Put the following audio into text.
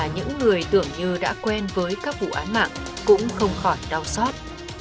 những người tưởng như đã quen với các vụ án mạng cũng không khỏi đau xót